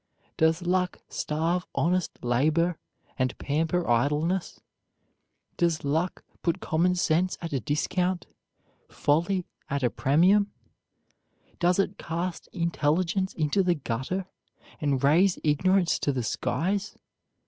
Does luck starve honest labor, and pamper idleness? Does luck put common sense at a discount, folly at a premium? Does it cast intelligence into the gutter, and raise ignorance to the skies?